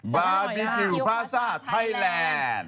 บาบิพิวฮวาซ่าไทยแลนด์